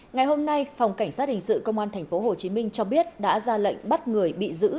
ngày hôm nay phòng cảnh sát hình sự công an tp hcm cho biết đã ra lệnh bắt người bị giữ